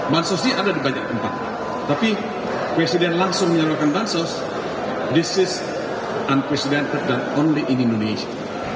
bansosnya ada di banyak tempat tapi presiden langsung menyalurkan bansos this is unprecedented dan only in indonesia